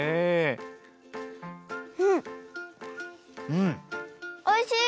うんおいしい！